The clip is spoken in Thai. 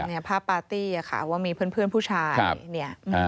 แล้วก็มีปาร์ตี้ค่ะว่ามีเพื่อนผู้ชาย